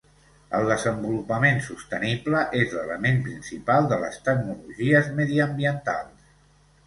El desenvolupament sostenible és l'element principal de les tecnologies mediambientals.